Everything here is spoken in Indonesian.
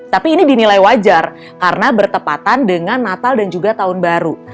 tapi ini dinilai wajar karena bertepatan dengan natal dan juga tahun baru